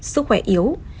sức khỏe yếu